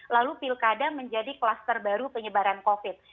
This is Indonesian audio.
lalu pilkada menjadi kluster baru penyebaran covid